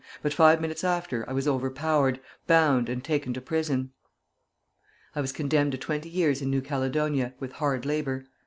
But five minutes after, I was overpowered, bound, and taken to prison. I was condemned to twenty years in New Caledonia, with hard labor.